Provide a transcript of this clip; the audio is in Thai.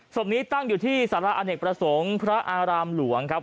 ศพนี้ตั้งอยู่ที่สาระอเนกประสงค์พระอารามหลวงครับ